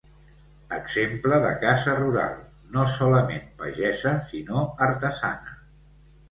Exemple de casa rural, no solament pagesa sinó artesana.